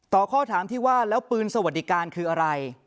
ข้อถามที่ว่าแล้วปืนสวัสดิการคืออะไร